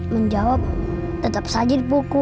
menjawab tetap saja dipukul